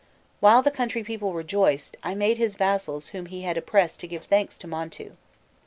While the country people rejoiced, I made his vassals whom he had oppressed to give thanks to Montu.